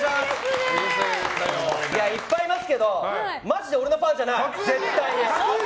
いっぱいいますけどマジで俺のファンじゃない！